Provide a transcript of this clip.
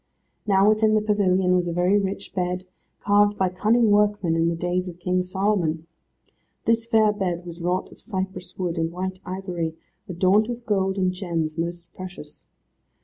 Now within the pavilion was a very rich bed, carved by cunning workmen in the days of King Solomon. This fair bed was wrought of cypress wood and white ivory, adorned with gold and gems most precious.